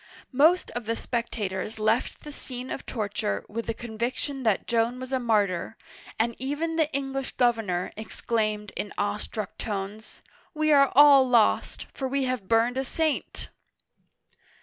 Most of the spectators left the scene of torture with the conviction that Joan was a martyr, and even the English governor exclaimed in awestruck tones :" We are all lost, for we have burned a saint